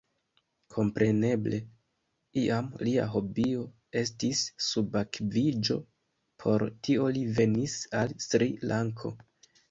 Kompreneble, iam lia hobio estis subakviĝo: por tio li venis al Sri-Lanko.